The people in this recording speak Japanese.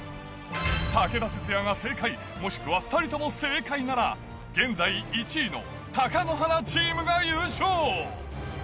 武田鉄矢が正解、もしくは２人とも正解なら、現在１位の貴乃花チームが優勝。